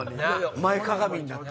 前かがみになって。